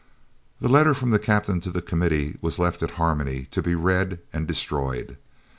The letter from the Captain to the Committee was left at Harmony to be read and destroyed.